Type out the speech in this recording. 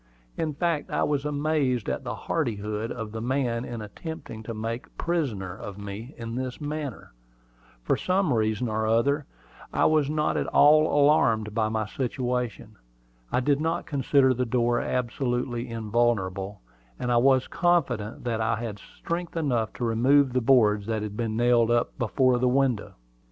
In fact, I was amazed at the hardihood of the man in attempting to make a prisoner of me in this manner. For some reason or other, I was not at all alarmed at my situation. I did not consider the door absolutely invulnerable; and I was confident that I had strength enough to remove the boards that had been nailed up before the window.